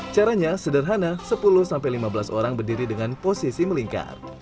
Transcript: caranya sederhana sepuluh lima belas orang berdiri dengan posisi melingkar